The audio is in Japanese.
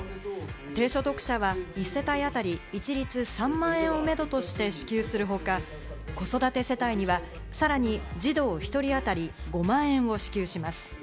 低所得者は１世帯あたり一律３万円をめどとして支給するほか、子育て世帯にはさらに児童１人あたり５万円を支給します。